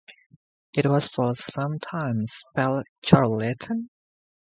It was for some time spelt Carleton.